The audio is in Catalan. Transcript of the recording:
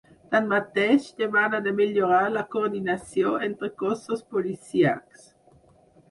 Tanmateix, demana de millorar la coordinació entre cossos policíacs.